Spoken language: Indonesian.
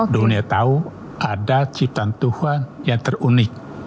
dunia tahu ada ciptaan tuhan yang terunik